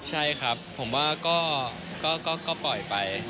ใช่ครับผมว่าก็ปล่อยไป